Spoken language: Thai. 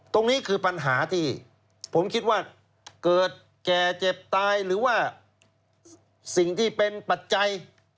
ตรงนี้คือปัญหาที่ผมคิดว่าเกิดแก่เจ็บตายหรือว่าสิ่งที่เป็นปัจจัย